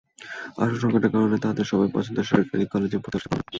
আসন সংকটের কারণে তাদের সবাই পছন্দের সরকারি কলেজে ভর্তির সুযোগ পাবে না।